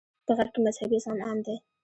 په غرب کې مذهبي زغم عام دی.